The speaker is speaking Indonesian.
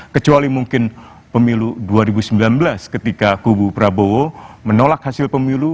kecuali mungkin pemilu dua ribu sembilan belas ketika kubu prabowo menolak hasil pemilu